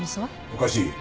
おかしい。